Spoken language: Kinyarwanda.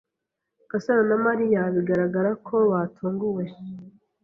Gasaro na Mariya bigaragara ko batunguwe.